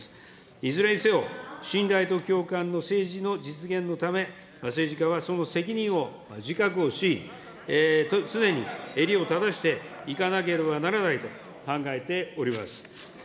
いずれにせよ、信頼と共感の政治の実現のため、政治家はその責任を自覚をし、常に襟を正していかなければならないと考えております。